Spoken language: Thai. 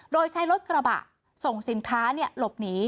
โดยใช้รถกระบะส่งสินค้าหลบหนี